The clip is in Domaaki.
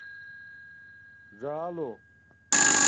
ژَالو